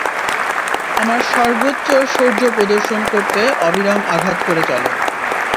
আমর সর্বোচ্চ শৌর্য প্রদর্শন করতে অবিরাম আঘাত করে চলে।